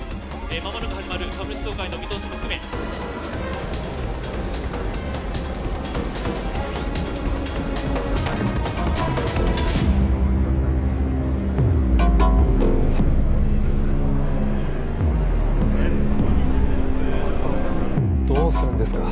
間もなく始まる株主総会の見通しも含めどうするんですか？